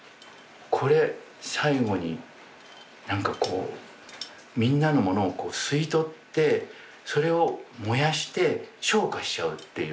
これ最後になんかこうみんなのものをこう吸いとってそれを燃やして昇華しちゃうっていう。